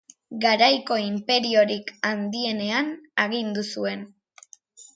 Garaiko inperiorik handienean agindu zuen.